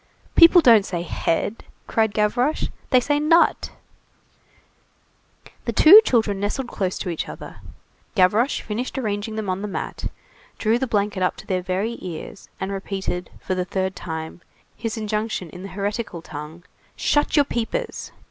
"People don't say 'head,'" cried Gavroche, "they say 'nut'." The two children nestled close to each other, Gavroche finished arranging them on the mat, drew the blanket up to their very ears, then repeated, for the third time, his injunction in the hieratical tongue:— "Shut your peepers!"